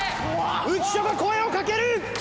浮所が声をかける！